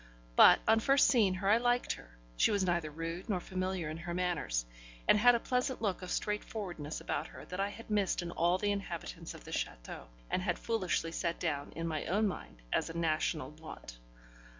But, on first seeing her, I liked her; she was neither rude nor familiar in her manners, and had a pleasant look of straightforwardness about her that I had missed in all the inhabitants of the château, and had foolishly set down in my own mind as a national want.